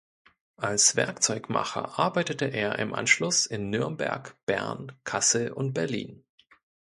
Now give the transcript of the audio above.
Als Werkzeugmacher arbeitete er im Anschluss in Nürnberg, Bern, Kassel und Berlin.